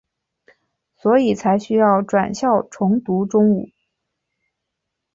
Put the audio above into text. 所以才需要转校重读中五。